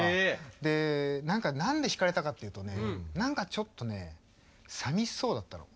で何でひかれたかっていうとね何かちょっとねさみしそうだったの。